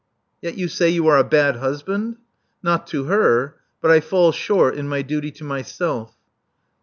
Yet you say you are a bad husband!" Not to her. But I fall short in my duty to myself.